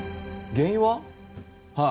原因は？